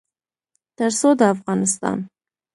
تر څو د افغانستان